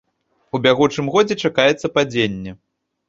У бягучым годзе чакаецца падзенне.